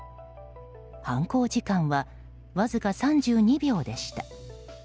犯行時間はわずか３２秒でした。